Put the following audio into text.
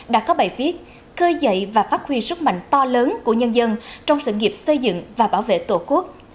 đã có bài viết khơi dậy và phát huy sức mạnh to lớn của nhân dân trong sự nghiệp xây dựng và bảo vệ tổ quốc